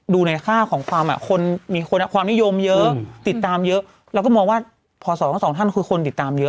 ดูในค่าของความอ่ะคนมีคนความนิยมเยอะติดตามเยอะเราก็มองว่าพศทั้งสองท่านคือคนติดตามเยอะ